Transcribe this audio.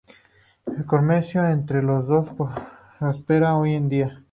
El comercio entre los dos prospera hoy en día.